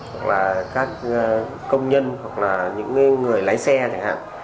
hoặc là các công nhân hoặc là những người lái xe chẳng hạn